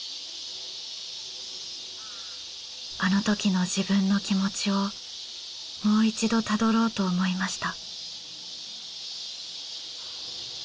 あのときの自分の気持ちをもう一度たどろうと思いました。